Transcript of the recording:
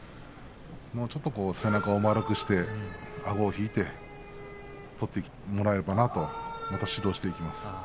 もうちょっと背中を丸くしてあごを引いて取ってもらえればなとまた指導していきます。